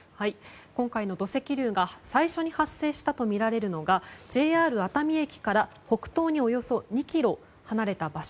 今回の土石流が最初に発生したとみられるのがＪＲ熱海駅から北東におよそ２ｋｍ離れた場所